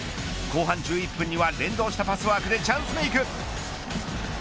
後半１１分には連動したパスワークでチャンスメーク。